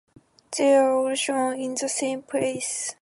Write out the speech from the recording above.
They are all shown in the same place.